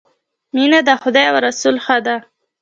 مینه د خدای او رسول ښه ده